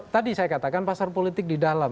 tadi saya katakan pasar politik di dalam